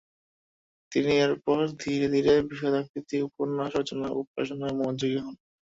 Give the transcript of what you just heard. তিনি এরপর ধীরে ধীরে বৃহদাকৃতির উপন্যাস রচনা ও প্রকাশনায় মনযোগী হন।